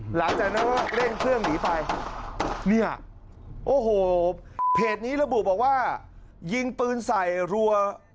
หลังจากนั้นก็เร่งเครื่องหนีไปเนี่ยโอ้โหเพจนี้ระบุบอกว่ายิงปืนใส่รัว